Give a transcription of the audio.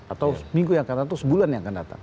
atau seminggu yang akan datang atau sebulan yang akan datang